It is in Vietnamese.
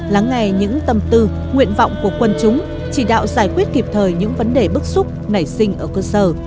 lắng nghe những tâm tư nguyện vọng của quân chúng chỉ đạo giải quyết kịp thời những vấn đề bức xúc nảy sinh ở cơ sở